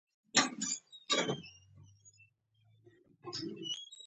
د انګلیسي ژبې زده کړه مهمه ده ځکه چې فضايي څېړنې رسوي.